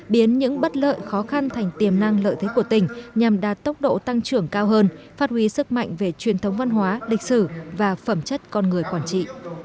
biến những bất lợi khó khăn thành tiềm năng lợi thế của tỉnh nhằm đạt tốc độ tăng trưởng cao hơn phát huy sức mạnh về truyền thống văn hóa lịch sử và phẩm chất con người quản trị